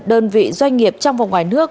đơn vị doanh nghiệp trong và ngoài nước